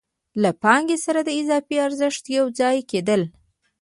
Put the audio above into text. له پانګې سره د اضافي ارزښت یو ځای کېدل